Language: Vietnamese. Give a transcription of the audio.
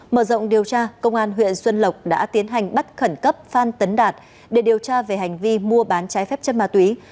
mở rộng điều tra công an huyện xuân lộc đã tiến hành bắt khẩn cấp phan tấn đạt để điều tra về hành vi mua bán trái phép chất ma túy